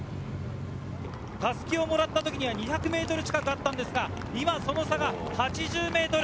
たすきをもらったときには２００メートル近くあったんですが、今、その差が８０メートル。